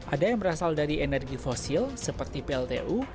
ada yang berasal dari energi fosil seperti pltu